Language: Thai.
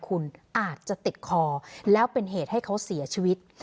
คุณอาจจะติดคอแล้วเป็นเหตุให้เขาเสียชีวิต